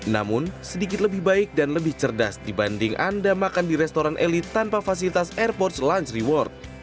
namun sedikit lebih baik dan lebih cerdas dibanding anda makan di restoran elit tanpa fasilitas airports lunch reward